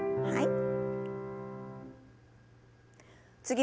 はい。